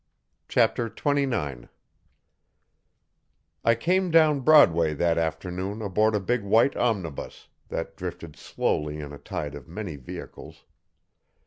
Chapter 29 I came down Broadway that afternoon aboard a big white omnibus, that drifted slowly in a tide of many vehicles.